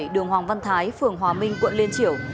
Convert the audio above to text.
đường hoàng văn thái phường hòa minh quận liên triểu